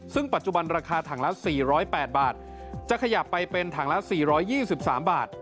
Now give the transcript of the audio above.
ซึ่งปัจจุบันราคาถังละสี่ร้อยแปดบาทจะขยับไปเป็นถังละสี่ร้อยยี่สิบสามบาท